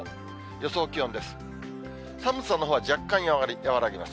予想気温です。